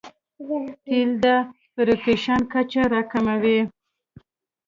تېل د فریکشن کچه راکموي.